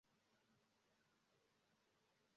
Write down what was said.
Bellac antaŭe apartenis al la reĝa provinco Limoĝio.